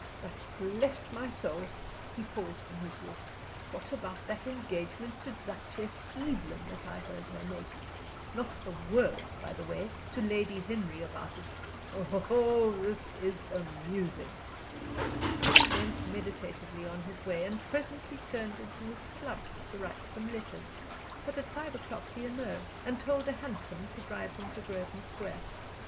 But, bless my soul!" he paused in his walk "what about that engagement to Duchess Evelyn that I heard her make? Not a word, by the way, to Lady Henry about it! Oh, this is amusing!" He went meditatively on his way, and presently turned into his club to write some letters. But at five o'clock he emerged, and told a hansom to drive him to Grosvenor Square.